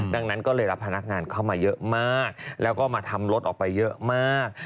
ดังนั้นก็เลยรับพนักงานเข้ามาเยอะมากแล้วก็มาทำรถออกไปเยอะมาก